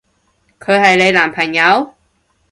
佢係你男朋友？